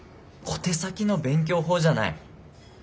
小手先の勉強法じゃない。